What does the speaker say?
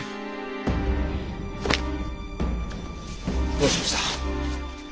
どうしました？